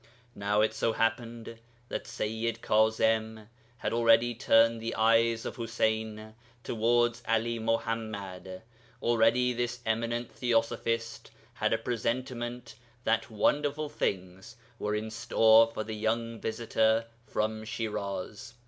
Now it so happened that Sayyid Kaẓim had already turned the eyes of Ḥuseyn towards 'Ali Muḥammad; already this eminent theosophist had a presentiment that wonderful things were in store for the young visitor from Shiraz.